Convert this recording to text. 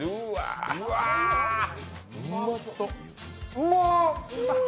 うまっ！